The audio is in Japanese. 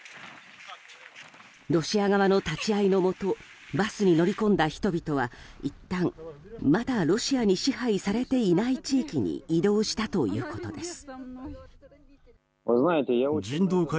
ロシア側の立ち会いのもとバスに乗り込んだ人々はいったん、まだロシアに支配されていない地域に移動したということです。